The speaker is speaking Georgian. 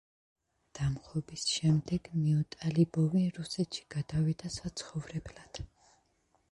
დამხობის შემდეგ მიუტალიბოვი რუსეთში გადავიდა საცხოვრებლად.